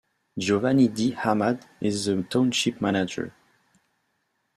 Giovanni D. Ahmad is the township manager.